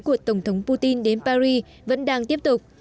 của tổng thống putin đến paris vẫn đang tiếp tục